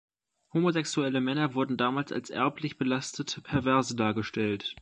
Homosexuelle Männer wurden damals als erblich belastete Perverse dargestellt.